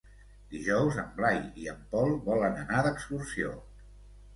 Dijous en Blai i en Pol volen anar d'excursió.